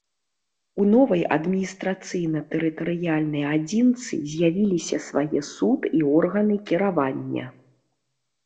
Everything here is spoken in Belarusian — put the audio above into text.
У новай адміністрацыйна-тэрытарыяльнай адзінцы з'явіліся свае суд і органы кіравання.